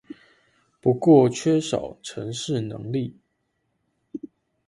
不過缺少程式能力